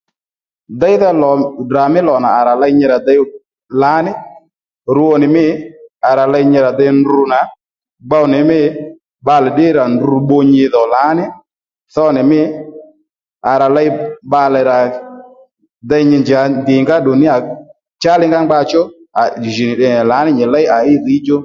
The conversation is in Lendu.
Déydha lò Ddrà mí lò nà à rà ley nyi rà dey lǎní rwo nì mî à rà ley nyi rà déy ndru nà gbow nì mî bbalè ddí rà ndru bbu nyi dhò lǎní tho nì mî à rà ley bbalè rà dey nyi njà ndìnga óddù níyà chá li ngá gba chú jì nì tde nì lǎní nyi léy à déy í dhǐy djú